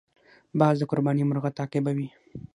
باز د قرباني مرغه تعقیبوي